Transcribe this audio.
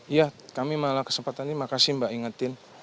iya kami malah kesempatan ini makasih mbak ingetin